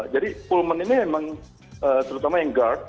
jadi pullman ini memang terutama yang guard